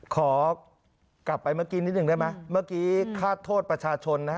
ขอกลับไปเมื่อกี้นิดหนึ่งได้ไหมเมื่อกี้ฆาตโทษประชาชนนะฮะ